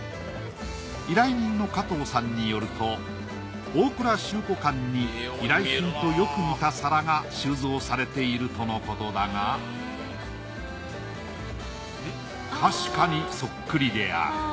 依頼人の加藤さんによると大倉集古館に依頼品とよく似た皿が収蔵されているとのことだが確かにそっくりである。